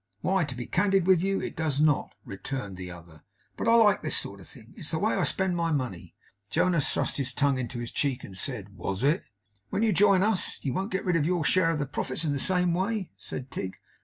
'Why, to be candid with you, it does not,' returned the other. 'But I like this sort of thing. It's the way I spend my money.' Jonas thrust his tongue into his cheek, and said, 'Was it?' 'When you join us, you won't get rid of your share of the profits in the same way?' said Tigg.